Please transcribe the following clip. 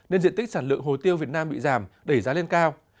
nên diện tích sản lượng hồ tiêu việt nam bị giảm đẩy giá lên cao